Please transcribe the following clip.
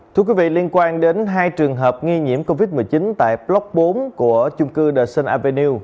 thưa quý vị liên quan đến hai trường hợp nghi nhiễm covid một mươi chín tại block bốn của chung cư the avenu